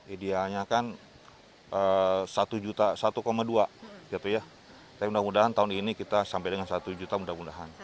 ideanya kan satu dua juta gitu ya tapi mudah mudahan tahun ini kita sampai dengan satu juta mudah mudahan